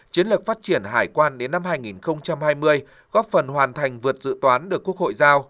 chiến lược phát triển hải quan đến năm hai nghìn hai mươi góp phần hoàn thành vượt dự toán được quốc hội giao